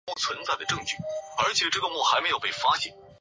红里蕉为使君子科红里蕉属下的一个种。